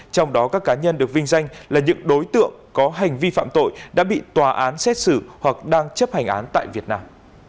trong đó các cá nhân được vinh danh là những đối tượng có hành vi phạm tội đã bị tòa án xét xử hoặc đang chấp hành án tại việt nam